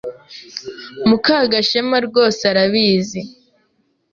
Mukagashema rwose arabizi.